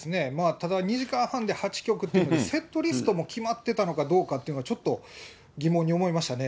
ただ、２時間半で８曲って、セットリストも決まってたのかどうかというのがちょっと疑問に思いましたね。